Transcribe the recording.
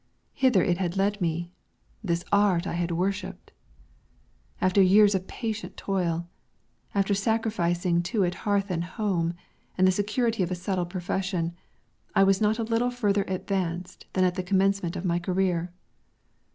Hither it had led me, this art I had worshiped! After years of patient toil, after sacrificing to it hearth and home, and the security of a settled profession, I was not a tittle further advanced than at the commencement of my career.